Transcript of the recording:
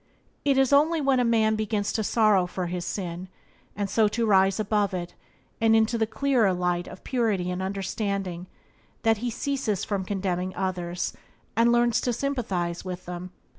It is only when a man begins to sorrow for his sin, and so to rise above it into the clearer light of purity and understanding, that he ceases from condemning others and learns to sympathize with them.